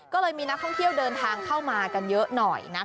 ก็เลยมีนักท่องเที่ยวเดินทางเข้ามากันเยอะหน่อย